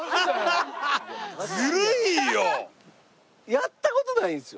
やった事ないんですよ。